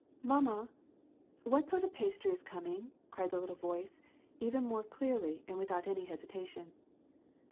" Mamma ! what sort of pastry is coming ?" cried the little voice even more clearly and without any hesitation.